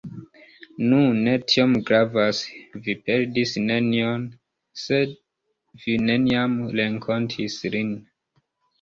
Nu, ne tiom gravas, vi perdis nenion se vi neniam renkontis lin.